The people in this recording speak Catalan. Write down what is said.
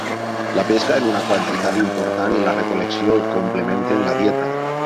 La pesca en una quantitat important i la recol·lecció, complementen la dieta.